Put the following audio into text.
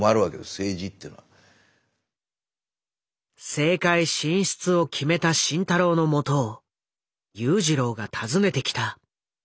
政界進出を決めた慎太郎のもとを裕次郎が訪ねてきた。